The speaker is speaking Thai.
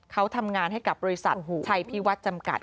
เขาทำงานให้กับบริษัทชัยพิวัฒน์จำกัด